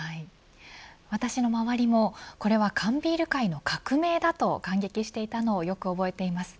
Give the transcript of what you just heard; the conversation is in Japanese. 私の周りもこれは缶ビール界の革命だと感激していたのをよく覚えています。